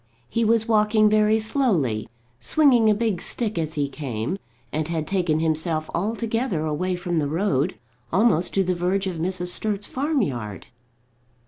He was walking very slowly, swinging a big stick as he came, and had taken himself altogether away from the road, almost to the verge of Mrs. Sturt's farmyard.